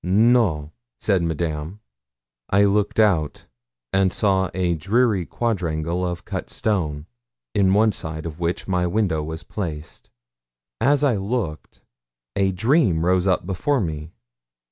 'No,' said Madame. I looked out and saw a dreary quadrangle of cut stone, in one side of which my window was placed. As I looked a dream rose up before me.